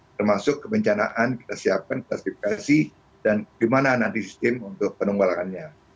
termasuk kebencanaan kita siapkan sertifikasi dan kemana nanti sistem untuk penembalangannya